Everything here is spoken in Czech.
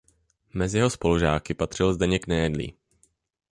Mezi jeho spolužáky patřil Zdeněk Nejedlý.